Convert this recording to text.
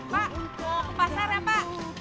pak untuk pasar ya pak